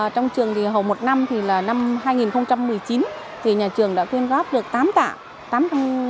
trong trường thì hầu một năm thì là năm hai nghìn một mươi chín thì nhà trường đã quyên góp được tám tạ